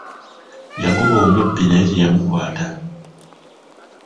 Yagoba omubbi naye teyamukwata.